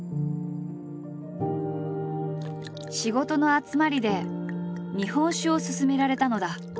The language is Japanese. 仕事の集まりで日本酒を薦められたのだ。